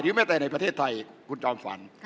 แม้แต่ในประเทศไทยคุณจอมฝัน